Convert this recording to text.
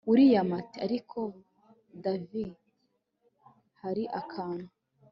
william ati ariko dav hari akantu